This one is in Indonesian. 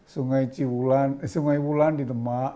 sungai ciwulan eh sungai wulan di demak